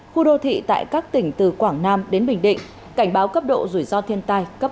khu đô thị tại các tỉnh từ quảng nam đến bình định cảnh báo cấp độ rủi ro thiên tai cấp